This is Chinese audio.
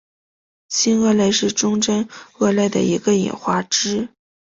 新鳄类是中真鳄类的一个演化支。